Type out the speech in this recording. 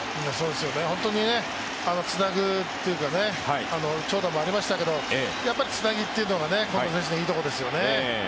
本当につなぐというか長打もありましたけどやっぱりつなぎというのが近藤選手のいいところですよね。